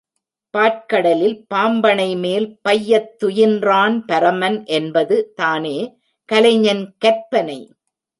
பாற்கடலில் பாம்பணைமேல் பையத் துயின்றான் பரமன் என்பது தானே கலைஞன் கற்பனை.